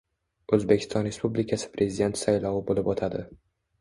O‘zbekiston Respublikasi Prezidenti saylovi bo‘lib o‘tadi.